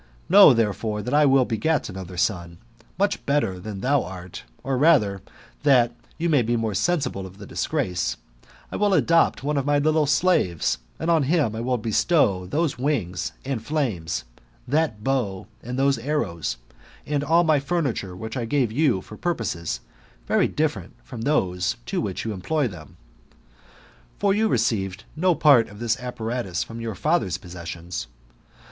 Know, therefore, that I will beget another son, much better than thou art ; or rather, that you . may.be more sensible of the disgrace, I will adopt one of my little slaves, and on him will I bestow those wings and flames, S6 THE METAMORt^HOStSy OR that bow, aDd those arrows, and all my furniture, which I gave you for purposes very different from those to which you employ them : for you received no part of this apparatus from your father's possessions.